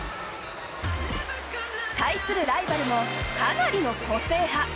対するライバルもかなりの個性派。